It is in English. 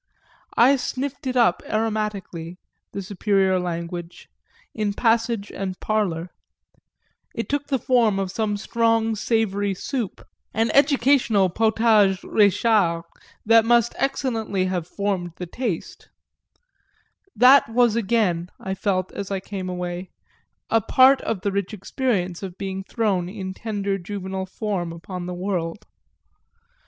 I sniffed it up aromatically, the superior language, in passage and parlour it took the form of some strong savoury soup, an educational potage Réchard that must excellently have formed the taste: that was again, I felt as I came away, a part of the rich experience of being thrown in tender juvenile form upon the world.